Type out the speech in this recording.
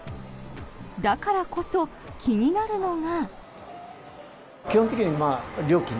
だからこそ気になるのが。